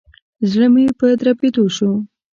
زړه مي په دربېدو شو.